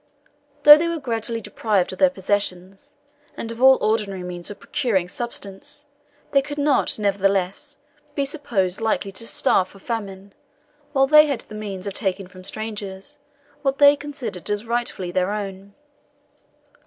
Though they were gradually deprived of their possessions, and of all ordinary means of procuring subsistence, they could not, nevertheless, be supposed likely to starve for famine, while they had the means of taking from strangers what they considered as rightfully their own.